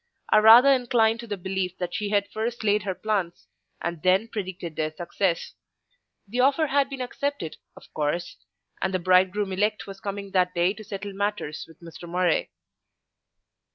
I rather incline to the belief that she had first laid her plans, and then predicted their success. The offer had been accepted, of course, and the bridegroom elect was coming that day to settle matters with Mr. Murray.